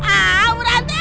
ah bu ranti